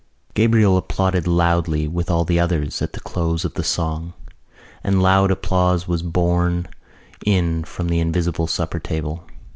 Gabriel applauded loudly with all the others at the close of the song and loud applause was borne in from the invisible supper table.